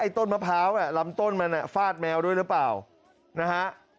ต้นมะพร้าวลำต้นมันฟาดแมวด้วยหรือเปล่านะฮะ